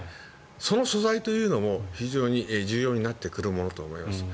その素材というのも非常に重要になってくるものと思います。